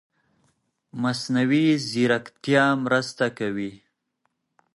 مصنوعي ځيرکتیا مرسته کوي.